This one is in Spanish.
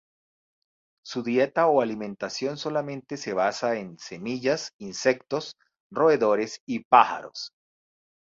Su dieta o alimentación solamente se basa en: semillas, insectos, roedores y pájaros.